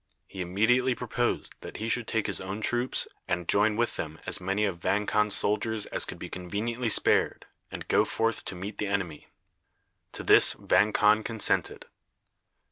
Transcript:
He immediately proposed that he should take his own troops, and join with them as many of Vang Khan's soldiers as could be conveniently spared, and go forth to meet the enemy. To this Vang Khan consented.